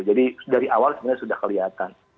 jadi dari awal sebenarnya sudah kelihatan